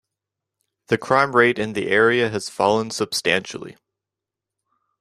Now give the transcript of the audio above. The crime rate in the area has fallen substantially.